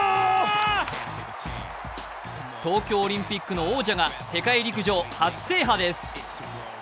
東京オリンピックの王者が世界陸上初制覇です。